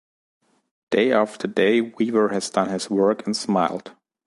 Day after day Weaver has done his work and smiled.